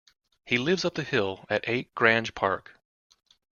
He lives up the hill, at eight Grange Park